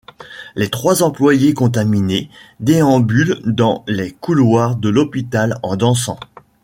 Les trois employés, contaminés, déambulent dans les couloirs de l'hôpital en dansant.